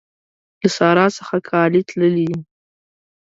له سارا څخه کالي تللي دي.